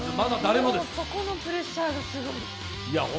そこのプレッシャーがすごい。